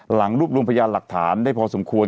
หลังรูปรวงพยานหลักฐานได้พอสมควร